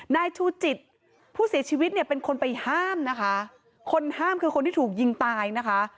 นายชูจิตผู้เสียชีวิตเนี่ยเป็นคนไปห้ามนะคะคนห้ามคือคนที่ถูกยิงตายนะคะ